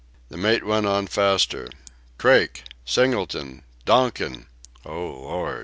The mate went on faster: "Craik Singleton Donkin.... O Lord!"